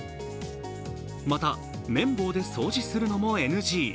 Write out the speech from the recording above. また、綿棒で掃除するのもＮＧ。